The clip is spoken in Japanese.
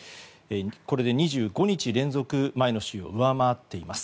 これで２５日連続前の週を上回っています。